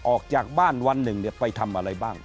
ออกจากบ้านวันหนึ่งไปทำอะไรบ้าง